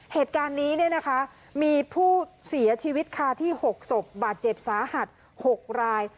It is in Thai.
เหตุการณ์นี้มีผู้เสียชีวิตค่ะที่๖ศพบาดเจ็บสาหัส๖ราย